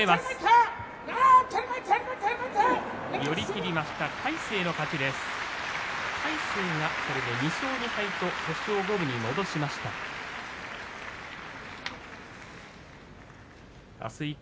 寄り切りました魁聖の勝ちです。